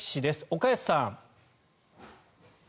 岡安さん。